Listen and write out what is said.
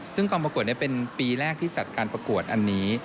ซึ่งกองประกวดนี้เป็นปีแรกที่จัดการประกวดอันนี้